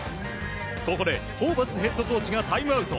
ここでホーバスヘッドコーチがタイムアウト。